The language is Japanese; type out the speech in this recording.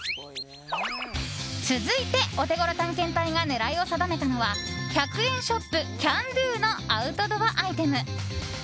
続いて、オテゴロ探検隊が狙いを定めたのは１００円ショップ、キャンドゥのアウトドアアイテム。